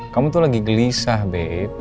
kamu tuh lagi gelisah be